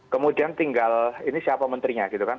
kemudian tinggal ini siapa menterinya gitu kan